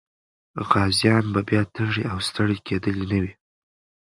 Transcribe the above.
غازيان به بیا تږي او ستړي کېدلي نه وو.